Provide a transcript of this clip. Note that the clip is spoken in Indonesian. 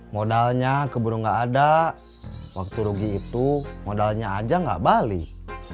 modalnya keburu nggak ada waktu rugi itu modalnya aja nggak balik